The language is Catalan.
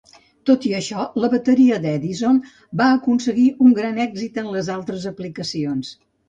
Tot i això, la bateria d'Edison va aconseguir un gran èxit en altres aplicacions.